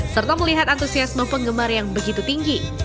serta melihat antusiasme penggemar yang begitu tinggi